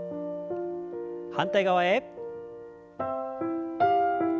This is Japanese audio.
反対側へ。